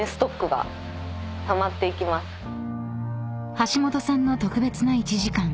［橋本さんの特別な１時間］